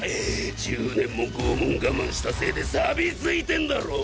１０年も拷問我慢したせいでさび付いてんだろ？